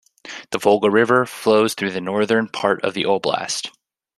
The Volga River flows through the northern part of the oblast.